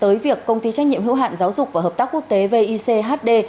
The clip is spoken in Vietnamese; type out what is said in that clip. tới việc công ty trách nhiệm hữu hạn giáo dục và hợp tác quốc tế vichd